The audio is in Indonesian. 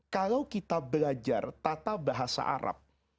kalau kita belajar tata bahasa arab